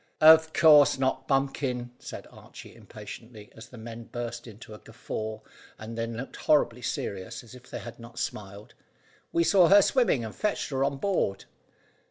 "Of course not, bumpkin," said Archy impatiently, as the men burst into a guffaw, and then looked horribly serious as if they had not smiled. "We saw her swimming and fetched her on board."